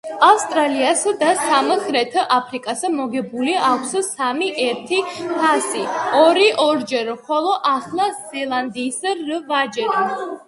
ავსტრალიასა და სამხრეთ აფრიკას მოგებული აქვს სამი ერის თასი ორ-ორჯერ, ხოლო ახალ ზელანდიას რვაჯერ.